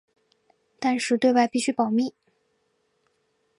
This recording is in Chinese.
但是对外必须保密。